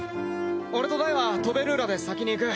俺とダイはトベルーラで先に行く。